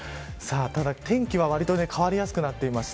ただ、天気はわりと変わりやすくなっています。